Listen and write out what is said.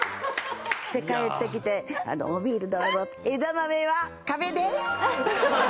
で帰ってきて「おビールどうぞ」「枝豆は壁です」。